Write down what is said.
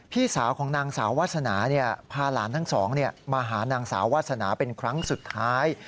พี่สาวของนางสาววาสนาพาหลานทั้งสองมาหานางสาววาสนาเป็นครั้งสุดท้าย